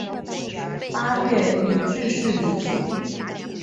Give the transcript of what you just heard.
八月予致仕离去。